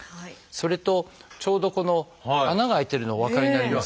それとちょうどこの穴が開いてるのお分かりになりますかね。